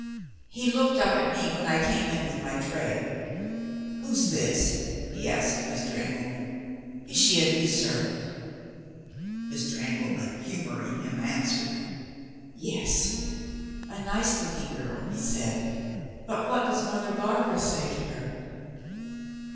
He looked up at me, when I came in with my tray. 'Who's this?' he asked of Mr. Engelman 'is she a new servant?' Mr. Engelman, humoring him, answered, 'Yes.' 'A nice looking girl,' he said; 'but what does Mother Barbara say to her?'